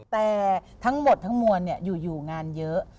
แต่ทั้งหมดทั้งมวลอยู่งานเยอะ